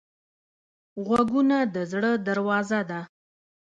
غوږونه د زړه دروازه ده